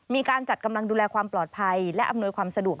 มีการจัดกำลังดูแลความปลอดภัยและอำนวยความสะดวก